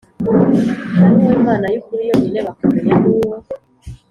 Ari wowe mana y ukuri yonyine bakamenya n uwo